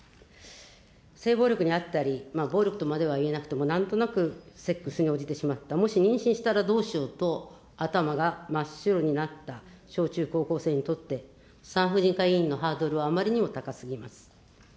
性暴力に遭ったり、暴力とまではいえなくても、なんとなくセックスに応じてしまった、もし妊娠したらどうしようと頭が真っ白になった小中高校生にとって、産婦人科医院のハードルはあまりにも高すぎます。